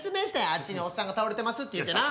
「あっちにおっさんが倒れてます」って言うてな。